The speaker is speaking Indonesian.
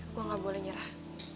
gue gak boleh nyerah